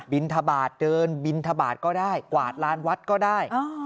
ทบาทเดินบินทบาทก็ได้กวาดลานวัดก็ได้